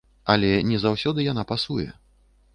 Але не заўсёды яна пасуе.